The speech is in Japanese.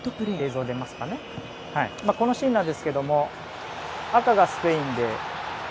このシーンなんですが赤がスペインです。